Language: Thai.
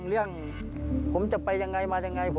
เรื่องผมจะไปยังไงมายังไง